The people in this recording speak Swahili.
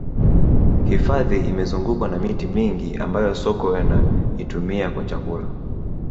hifadhi imezungukwa na miti mingi ambayo sokwe wanaitumia kwa chakula